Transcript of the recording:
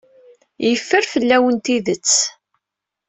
Yeffer fell-awen tidet.